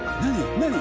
何？